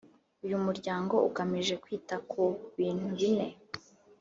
uyu muryango ugamije kwita ku bintu bine